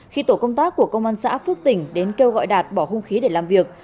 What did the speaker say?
khi tổ công tác của công an xã phước tỉnh đến kêu gọi đạt bỏ hung khí để làm việc